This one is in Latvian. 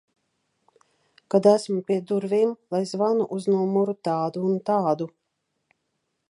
Kad esmu pie durvīm, lai zvanu uz numuru tādu un tādu.